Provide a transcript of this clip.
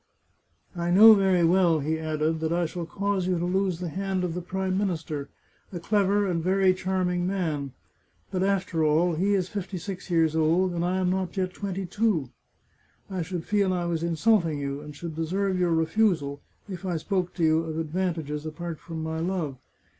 I know very well," he added, " that I shall cause you to lose the hand of the Prime Minister — a clever and very charming man — but, after all, he is fifty six years old, and I am not yet twenty two. I should feel I was insulting you, and should deserve your refusal, if I spoke to you of advantages apart from my love.